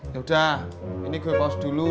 yaudah ini gue pause dulu